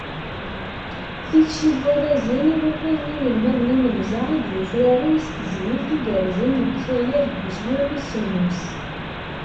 Tikci n warrazen i ukuẓ n yinelmaden imenza, i d-yufraren s tezmilt igerrzen deg ukayad n uswir wis semmus.